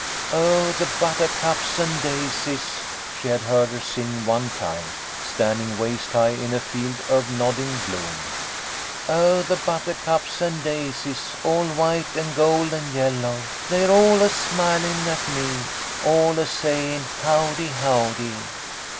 " Oh, the butter cups an' daisies," she had heard her sing one time, standing waist high in a field of nodding bloom. " Oh, the buttercups an' daisies, all white an' gold an' yellow. They're all a smilin' at me ! All a sayin' howdy ! howdy